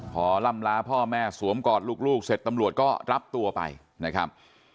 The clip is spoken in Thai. พอล่ำล้าพ่อแม่สวมกอดลูกเสร็จตำรวจก็รับตัวไปนะครับ